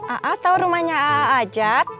a'ah tau rumahnya a'ah ajat